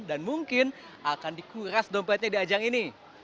dan mungkin akan dikuras dompetnya di ajang ini